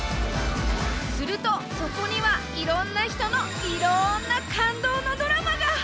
するとそこにはいろんな人のいろんな感動のドラマが！